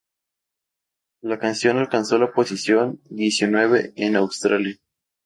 La canción alcanzó la posición diecinueve en Australia.